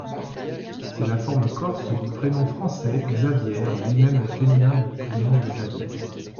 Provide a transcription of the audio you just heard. C'est la forme corse du prénom français Xavière, lui-même féminin du prénom Xavier.